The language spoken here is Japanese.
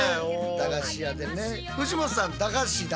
駄菓子屋でね。